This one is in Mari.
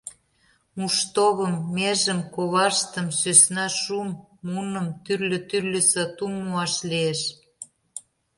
Муш товым, межым, коваштым, сӧсна шум, муным — тӱрлӧ-тӱрлӧ сатум муаш лиеш.